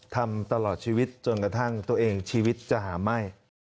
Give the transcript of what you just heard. ทำตลอดชีวิตจนกระทั่งตัวเองชีวิตจะหาไหม้